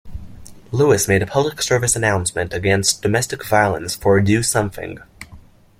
Lewis made a public service announcement against domestic violence for Do Something.